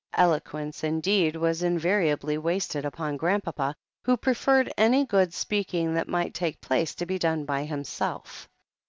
Eloquence indeed was invariably wasted upon Grandpapa, who preferred any good speaking that might take place to be done by himself.